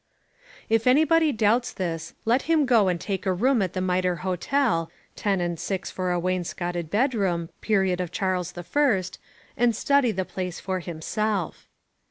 If anybody doubts this let him go and take a room at the Mitre Hotel (ten and six for a wainscotted bedroom, period of Charles I) and study the place for himself.